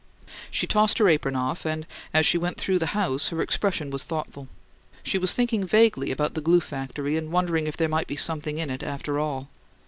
She tossed her apron off, and as she went through the house her expression was thoughtful. She was thinking vaguely about the glue factory and wondering if there might be "something in it" after all.